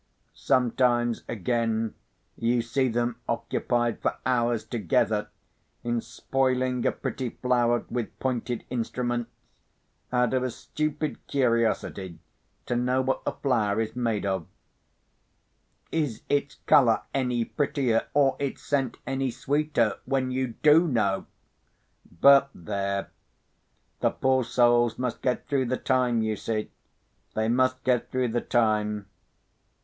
Sometimes, again, you see them occupied for hours together in spoiling a pretty flower with pointed instruments, out of a stupid curiosity to know what the flower is made of. Is its colour any prettier, or its scent any sweeter, when you do know? But there! the poor souls must get through the time, you see—they must get through the time.